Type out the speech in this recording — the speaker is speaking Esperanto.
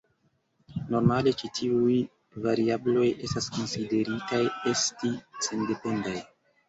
Normale ĉi tiuj variabloj estas konsideritaj esti sendependaj.